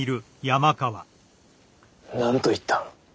何と言った？